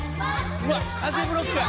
うわっ風ブロックや！